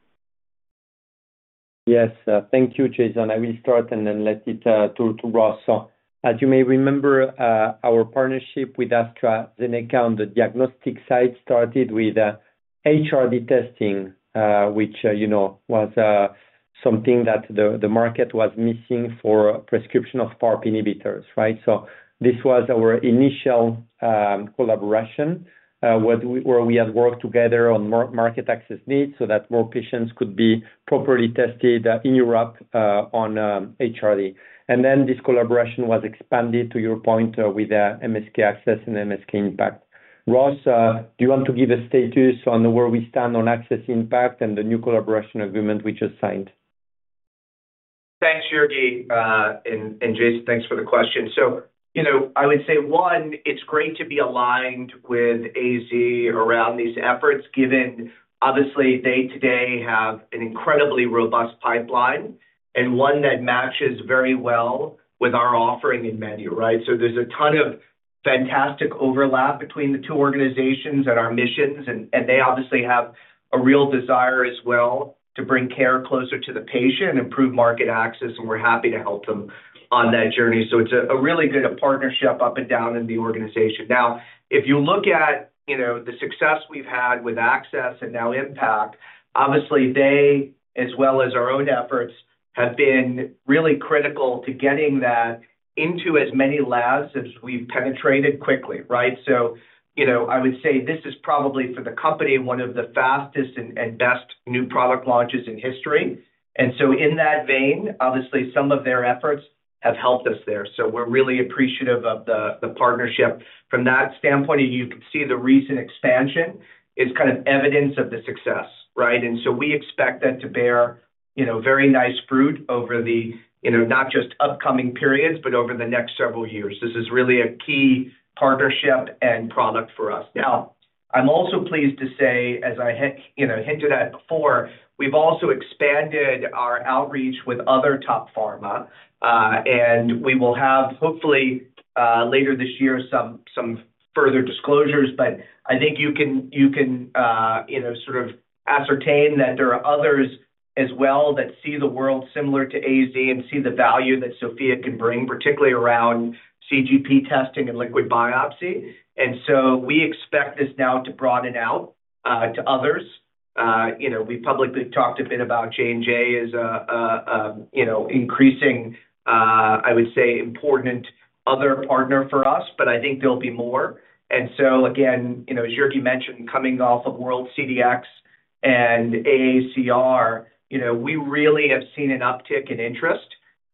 Yes. Thank you, Jason. I will start and then let it turn to Ross. As you may remember, our partnership with AstraZeneca on the diagnostic side started with HRD testing, which was something that the market was missing for prescription of PARP inhibitors, right? This was our initial collaboration where we had worked together on market access needs so that more patients could be properly tested in Europe on HRD. This collaboration was expanded, to your point, with MSK-ACCESS and MSK-IMPACT. Ross, do you want to give a status on where we stand on Access, Impact, and the new collaboration agreement we just signed? Thanks, Jurgi. And Jason, thanks for the question. I would say, one, it's great to be aligned with AZ around these efforts, given obviously they today have an incredibly robust pipeline and one that matches very well with our offering in menu, right? There is a ton of fantastic overlap between the two organizations and our missions. They obviously have a real desire as well to bring care closer to the patient and improve market access. We're happy to help them on that journey. It's a really good partnership up and down in the organization. Now, if you look at the success we've had with Access and now Impact, obviously, they, as well as our own efforts, have been really critical to getting that into as many labs as we've penetrated quickly, right? I would say this is probably for the company one of the fastest and best new product launches in history. In that vein, obviously, some of their efforts have helped us there. We're really appreciative of the partnership from that standpoint. You can see the recent expansion is kind of evidence of the success, right? We expect that to bear very nice fruit over the not just upcoming periods, but over the next several years. This is really a key partnership and product for us. I'm also pleased to say, as I hinted at before, we've also expanded our outreach with other top pharma. We will have, hopefully, later this year some further disclosures. I think you can sort of ascertain that there are others as well that see the world similar to AZ and see the value that SOPHiA can bring, particularly around CGP testing and liquid biopsy. We expect this now to broaden out to others. We've publicly talked a bit about J&J as an increasing, I would say, important other partner for us, but I think there'll be more. Again, as Jurgi mentioned, coming off of World CDX and AACR, we really have seen an uptick in interest.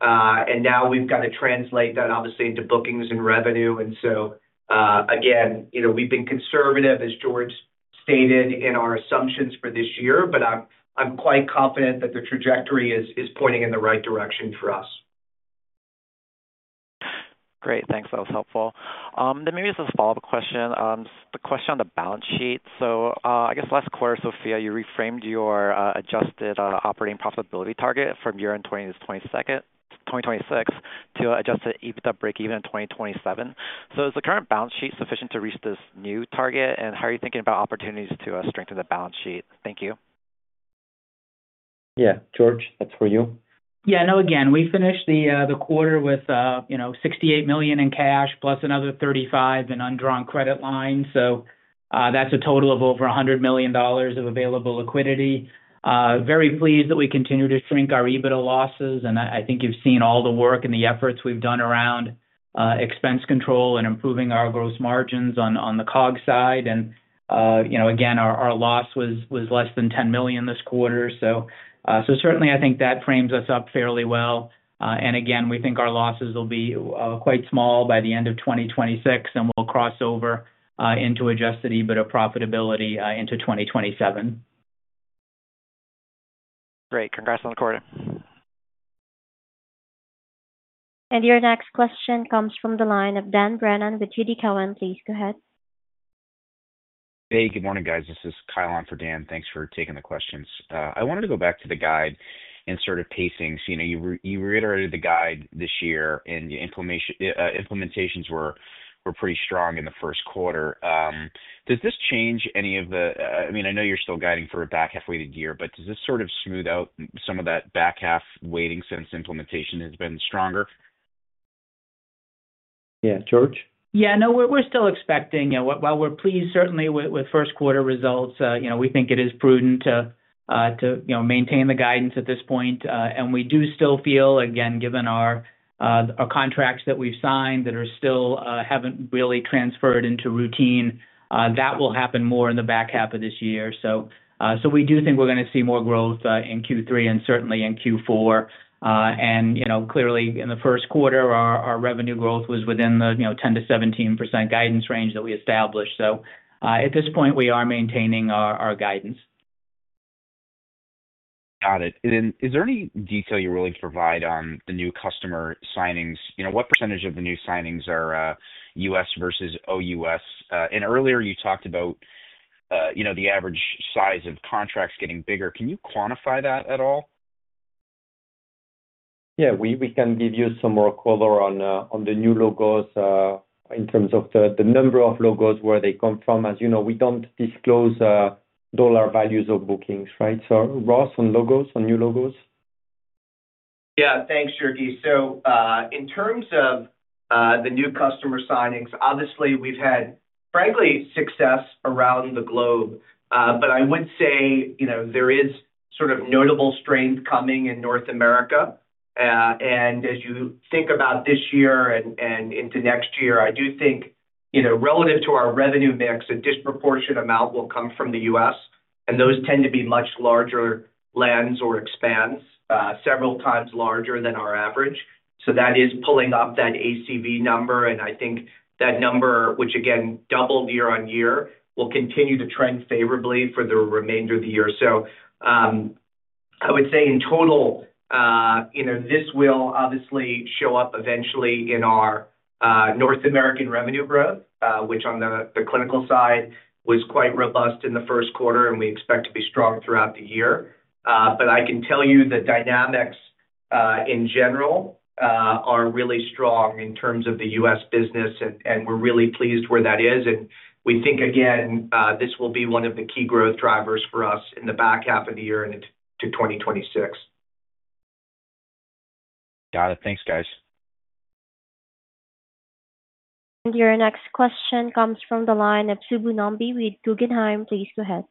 Now we've got to translate that, obviously, into bookings and revenue. Again, we've been conservative, as George stated, in our assumptions for this year, but I'm quite confident that the trajectory is pointing in the right direction for us. Great. Thanks. That was helpful. Maybe just a follow-up question. The question on the balance sheet. I guess last quarter, SOPHiA, you reframed your adjusted operating profitability target from year-end 2026 to adjusted EBITDA break-even in 2027. Is the current balance sheet sufficient to reach this new target? How are you thinking about opportunities to strengthen the balance sheet? Thank you. Yeah. George, that's for you. Yeah. No, again, we finished the quarter with $68 million in cash plus another $35 million in undrawn credit line. So that's a total of over $100 million of available liquidity. Very pleased that we continue to shrink our EBITDA losses. And I think you've seen all the work and the efforts we've done around expense control and improving our gross margins on the COGS side. And again, our loss was less than $10 million this quarter. So certainly, I think that frames us up fairly well. And again, we think our losses will be quite small by the end of 2026, and we'll cross over into adjusted EBITDA profitability into 2027. Great. Congrats on the quarter. Your next question comes from the line of Dan Brennan with TD Cowen. Please go ahead. Hey, good morning, guys. This is Kyle on for Dan. Thanks for taking the questions. I wanted to go back to the guide and sort of pacing. You reiterated the guide this year, and implementations were pretty strong in the first quarter. Does this change any of the—I mean, I know you're still guiding for a back half way to year, but does this sort of smooth out some of that back half waiting since implementation has been stronger? Yeah. George? Yeah. No, we're still expecting—while we're pleased, certainly, with first quarter results, we think it is prudent to maintain the guidance at this point. We do still feel, again, given our contracts that we've signed that still haven't really transferred into routine, that will happen more in the back half of this year. We do think we're going to see more growth in Q3 and certainly in Q4. Clearly, in the first quarter, our revenue growth was within the 10%-17% guidance range that we established. At this point, we are maintaining our guidance. Got it. Is there any detail you're willing to provide on the new customer signings? What % of the new signings are U.S. versus OU.S.? Earlier, you talked about the average size of contracts getting bigger. Can you quantify that at all? Yeah. We can give you some more color on the new logos in terms of the number of logos, where they come from. As you know, we do not disclose dollar values of bookings, right? Ross, on logos, on new logos? Yeah. Thanks, Jurgi. In terms of the new customer signings, obviously, we've had, frankly, success around the globe. I would say there is sort of notable strength coming in North America. As you think about this year and into next year, I do think relative to our revenue mix, a disproportionate amount will come from the U.S. Those tend to be much larger lands or expands, several times larger than our average. That is pulling up that ACV number. I think that number, which again, doubled year-on-year, will continue to trend favorably for the remainder of the year. I would say in total, this will obviously show up eventually in our North American revenue growth, which on the clinical side was quite robust in the first quarter, and we expect to be strong throughout the year. I can tell you the dynamics in general are really strong in terms of the U.S. business, and we're really pleased where that is. We think, again, this will be one of the key growth drivers for us in the back half of the year into 2026. Got it. Thanks, guys. Your next question comes from the line of Subbu Nambi with Guggenheim. Please go ahead.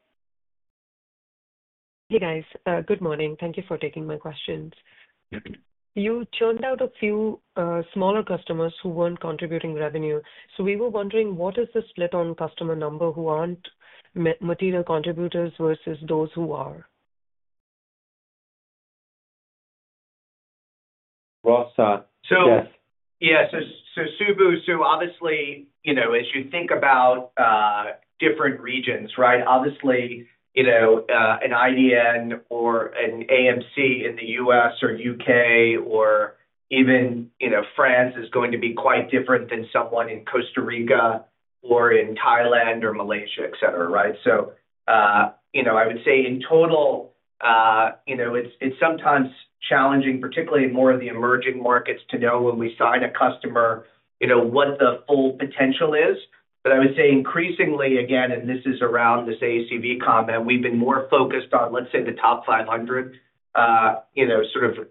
Hey, guys. Good morning. Thank you for taking my questions. You churned out a few smaller customers who were not contributing revenue. We were wondering what is the split on customer number who are not material contributors versus those who are? Ross. Yeah. Subbu, obviously, as you think about different regions, right, obviously, an IDN or an AMC in the U.S. or U.K. or even France is going to be quite different than someone in Costa Rica or in Thailand or Malaysia, etc., right? I would say in total, it's sometimes challenging, particularly in more of the emerging markets, to know when we sign a customer what the full potential is. I would say increasingly, again, and this is around this ACV comment, we've been more focused on, let's say, the top 500 sort of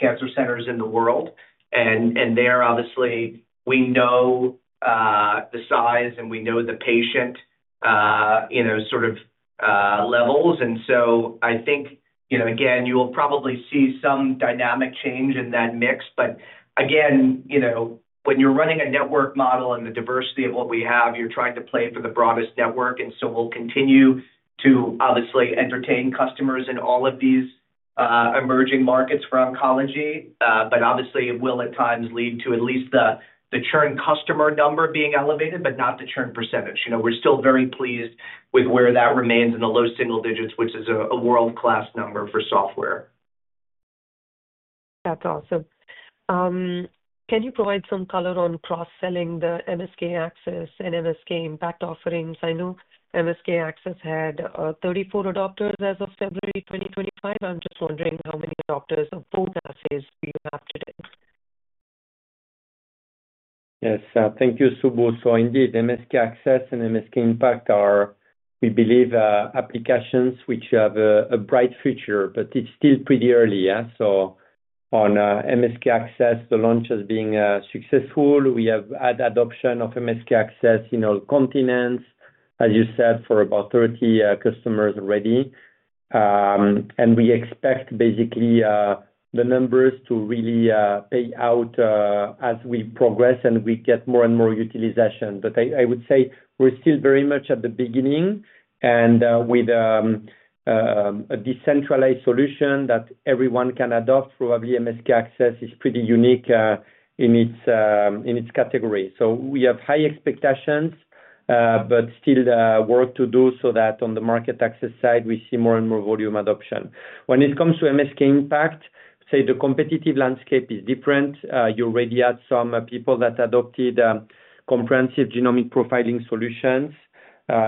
cancer centers in the world. There, obviously, we know the size and we know the patient sort of levels. I think, again, you will probably see some dynamic change in that mix. When you're running a network model and the diversity of what we have, you're trying to play for the broadest network. We'll continue to obviously entertain customers in all of these emerging markets for oncology. Obviously, it will at times lead to at least the churn customer number being elevated, but not the churn %. We're still very pleased with where that remains in the low single digits, which is a world-class number for software. That's awesome. Can you provide some color on cross-selling the MSK-ACCESS and MSK-IMPACT offerings? I know MSK-ACCESS had 34 adopters as of February 2025. I'm just wondering how many adopters of both assays do you have today? Yes. Thank you, Subbu. So indeed, MSK-ACCESS and MSK-IMPACT are, we believe, applications which have a bright future, but it's still pretty early. So on MSK-ACCESS, the launch has been successful. We have had adoption of MSK-ACCESS in all continents, as you said, for about 30 customers already. And we expect basically the numbers to really pay out as we progress and we get more and more utilization. But I would say we're still very much at the beginning. And with a decentralized solution that everyone can adopt, probably MSK-ACCESS is pretty unique in its category. So we have high expectations, but still work to do so that on the market access side, we see more and more volume adoption. When it comes to MSK-IMPACT, say the competitive landscape is different. You already had some people that adopted comprehensive genomic profiling solutions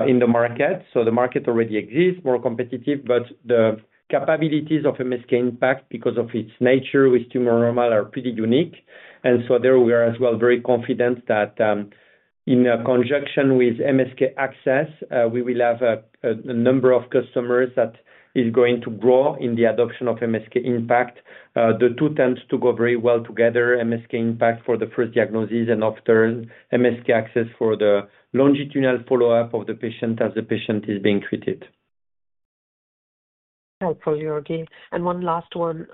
in the market. The market already exists, more competitive. The capabilities of MSK-IMPACT, because of its nature with tumor normal, are pretty unique. There we are as well very confident that in conjunction with MSK-ACCESS, we will have a number of customers that is going to grow in the adoption of MSK-IMPACT. The two tend to go very well together, MSK-IMPACT for the first diagnosis and after MSK-ACCESS for the longitudinal follow-up of the patient as the patient is being treated. That's helpful, Jurgi. One last one.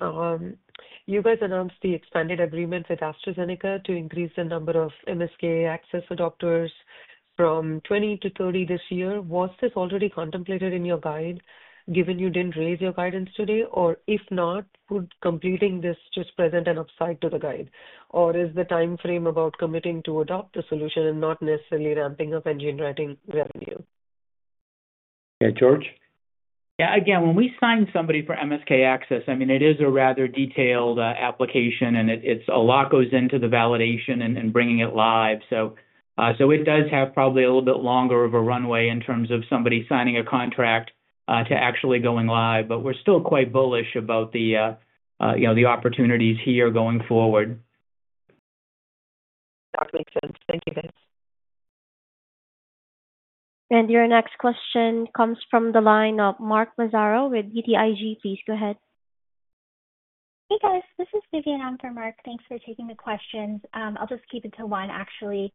You guys announced the expanded agreement with AstraZeneca to increase the number of MSK-ACCESS adopters from 20 to 30 this year. Was this already contemplated in your guide, given you didn't raise your guidance today? If not, would completing this just present an upside to the guide? Is the time frame about committing to adopt the solution and not necessarily ramping up engine writing revenue? Yeah. George? Yeah. Again, when we sign somebody for MSK-ACCESS, I mean, it is a rather detailed application, and a lot goes into the validation and bringing it live. It does have probably a little bit longer of a runway in terms of somebody signing a contract to actually going live. We're still quite bullish about the opportunities here going forward. That makes sense. Thank you, guys. Your next question comes from the line of Mark Mazzaro with GDIG. Please go ahead. Hey, guys. This is Vivian on for Mark. Thanks for taking the questions. I'll just keep it to one, actually.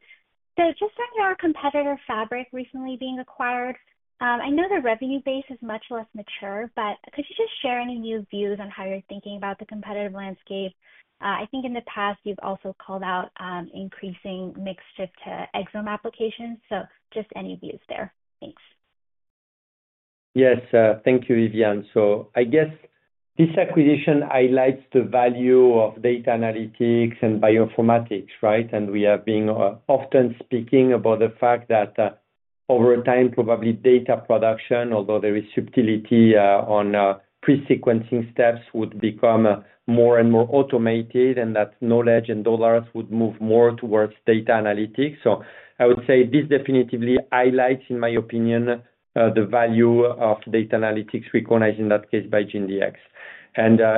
Just on your competitor Fabric recently being acquired, I know the revenue base is much less mature, but could you just share any new views on how you're thinking about the competitive landscape? I think in the past, you've also called out increasing mix just to exome applications. Just any views there. Thanks. Yes. Thank you, Vivian. I guess this acquisition highlights the value of data analytics and bioinformatics, right? We have been often speaking about the fact that over time, probably data production, although there is subtlety on pre-sequencing steps, would become more and more automated, and that knowledge and dollars would move more towards data analytics. I would say this definitely highlights, in my opinion, the value of data analytics recognized in that case by GDX.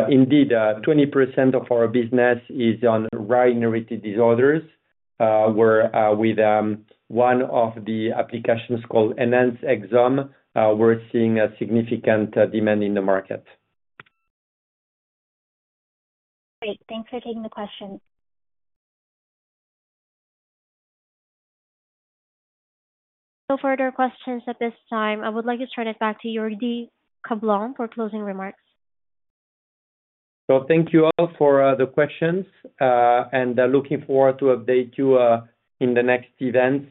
Indeed, 20% of our business is on rare inherited disorders, where with one of the applications called Enhance Exome, we're seeing a significant demand in the market. Great. Thanks for taking the question. No further questions at this time. I would like to turn it back to Jurgi Camblong for closing remarks. Thank you all for the questions. Looking forward to update you in the next events.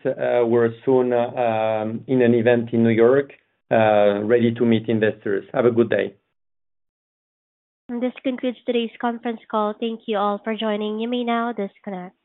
We're soon in an event in New York, ready to meet investors. Have a good day. This concludes today's conference call. Thank you all for joining. You may now disconnect.